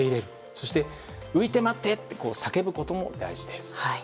そして、浮いて待って！と叫ぶことも大事です。